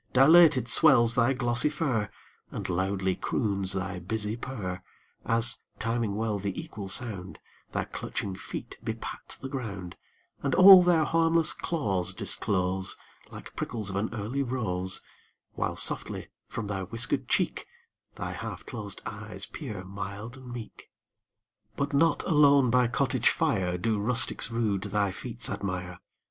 Dilated swells thy glossy fur, And loudly croons thy busy purr, As, timing well the equal sound, Thy clutching feet bepat the ground, And all their harmless claws disclose Like prickles of an early rose, While softly from thy whiskered cheek Thy half closed eyes peer, mild and meek. But not alone by cottage fire Do rustics rude thy feats admire.